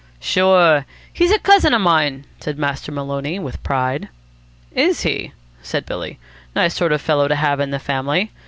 "Sure. He's a cousin of mine," said Master Maloney with pride. "Is he?" said Billy. "Nice sort of fellow to have in the family.